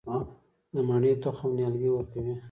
د مڼې تخم نیالګی ورکوي؟